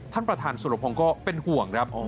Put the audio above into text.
ท่านประธานสุรพงศ์ก็เป็นห่วงครับ